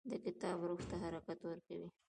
دا کتاب روح ته حرکت ورکوي.